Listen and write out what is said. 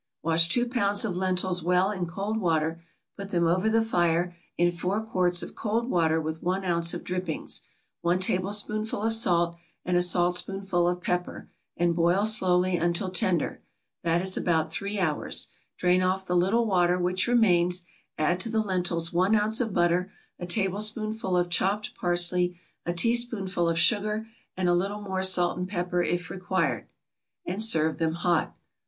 = Wash two pounds of lentils well in cold water, put them over the fire, in four quarts of cold water with one ounce of drippings, one tablespoonful of salt, and a saltspoonful of pepper, and boil slowly until tender, that is about three hours; drain off the little water which remains, add to the lentils one ounce of butter, a tablespoonful of chopped parsley, a teaspoonful of sugar, and a little more salt and pepper if required, and serve them hot.